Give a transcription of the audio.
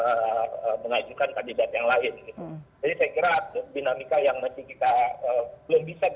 pastikan jauh jauh hari ya kita masih lihat